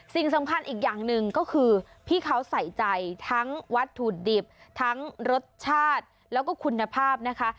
สิ่งสำคัญอีกอย่างหนึ่งก็คือพี่เขาใส่ใจทั้งวัตถุดิบทั้งรสชาติแล้วก็คุณภาพนะคะ